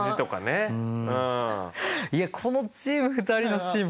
いやこのチーム２人のシーン